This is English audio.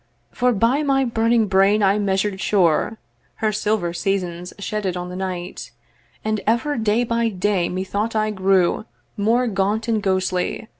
For by my burning brain I measured sure Her silver seasons shedded on the night, And ever day by day methought I grew More gaunt and ghostly.